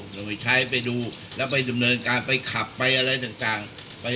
โดยใช้ไปดูแล้วไปดำเนินการไปขับไปอะไรต่าง